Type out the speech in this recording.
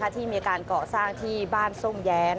ที่มีการเกาะสร้างที่บ้านทรงแย